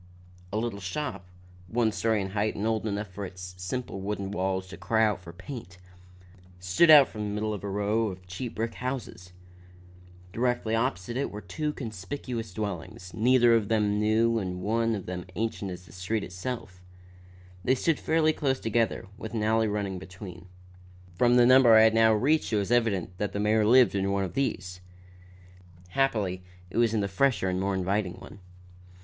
A little shop, one story in height and old enough for its simple wooden walls to cry aloud for paint, stood out from the middle of a row of cheap brick houses. Directly opposite it were two conspicuous dwellings, neither of them new and one of them ancient as the street itself. They stood fairly close together, with an alley running between. From the number I had now reached it was evident that the mayor lived in one of these. Happily it was in the fresher and more inviting one.